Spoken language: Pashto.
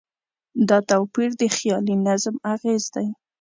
دا توپیر د خیالي نظم اغېز دی.